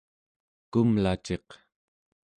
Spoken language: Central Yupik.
kumlaciq